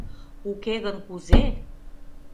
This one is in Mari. Уке гын кузе!